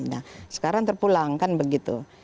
nah sekarang terpulang kan begitu